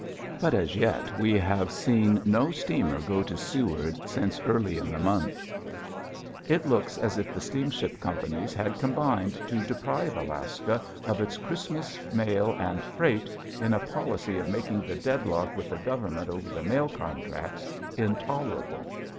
But as yet we have seen no steamer go to Seward since early in the month. It looks as if the steamship companies had combined to deprive Alaska of its Christmas mail and freight in a policy of making the deadlock with the government over the mail contracts intolerable.